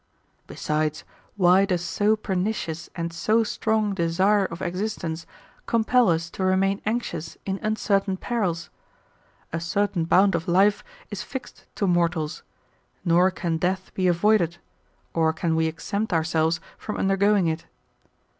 Besides, why does so pernicious and so strong desire of ex istence compel us to remain anxious in uncertain perils ? A certain bound of life is fixed to mortals ; nor can death be avoided, or can we exempt ourselves from undergoing it.